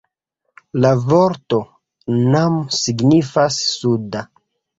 La vorto "nam" signifas 'suda'.